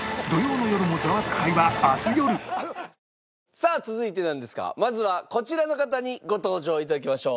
さあ続いてなんですがまずはこちらの方にご登場頂きましょう。